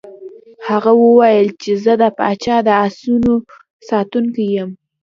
هغه وویل چې زه د پاچا د آسونو ساتونکی یم.